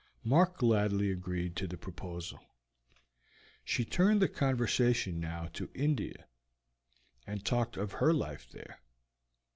Mark gladly agreed to the proposal. She turned the conversation now to India, and talked of her life there.